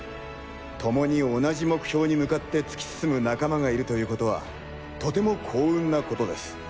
共に同じ目標に向かって突き進む仲間がいるということはとても幸運なことです。